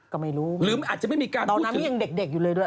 ก็ไม่รู้ตอนนั้นมันยังเด็กอยู่เลยด้วย